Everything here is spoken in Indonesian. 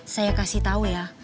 saya kasih tau ya